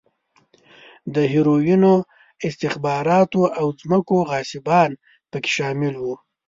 د هیروینو، استخباراتو او ځمکو غاصبان په کې شامل و.